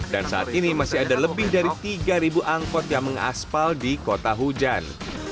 dan saat ini masih ada lebih dari tiga angkot yang mengaspal di kota hujan